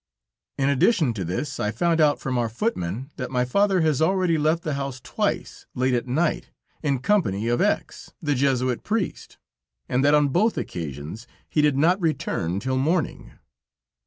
In addition to this, I found out from our footman, that my father has already left the house twice, late at night, in company of X , the Jesuit priest, and that on both occasions he did not return till morning.